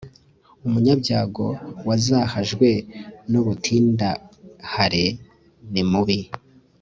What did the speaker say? umunyabyago wazahajwe n'ubutindahare nimubi